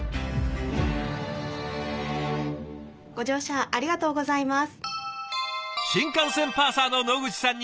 ご乗車ありがとうございます。